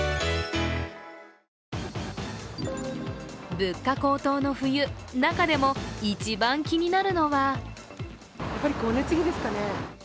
物価高騰の冬、中でも一番気になるのはやっぱり光熱費ですかね。